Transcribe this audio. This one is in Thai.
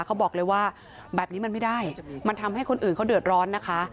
เขาบอกเลยว่าแบบนี้มันไม่ได้มันทำให้คนอื่นเขาเดือดร้อนนะคะ